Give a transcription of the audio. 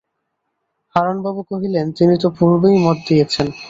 হারানবাবু কহিলেন, তিনি তো পূর্বেই মত দিয়েছেন।